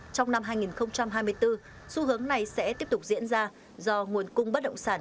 trong năm hai nghìn hai mươi bốn xu hướng này sẽ tiếp tục diễn ra do nguồn cung bất động sản